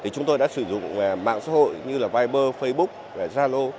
chúng tôi đã sử dụng mạng xã hội như là viber facebook zalo